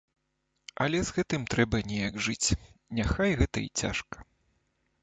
Але з гэтым трэба неяк жыць, няхай гэта і цяжка.